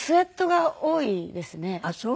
あっそう。